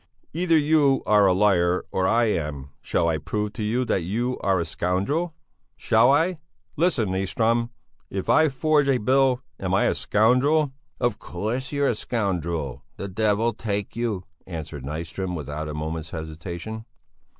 Either you are a liar, or I am! Shall I prove to you that you are a scoundrel? Shall I? Listen, Nyström, if I forge a bill am I a scoundrel?" "Of course you are a scoundrel, the devil take you!" answered Nyström, without a moment's hesitation.